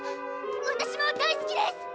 私も大好きです！